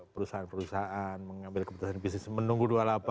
perusahaan perusahaan mengambil keputusan bisnis menunggu dua puluh delapan